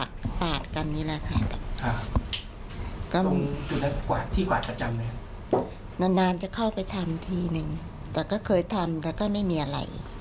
ถ้าโดนไปถูกก็เลยระเบิด